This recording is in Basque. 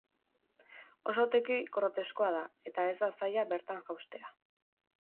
Oso toki groteskoa da, eta ez da zaila bertan jaustea.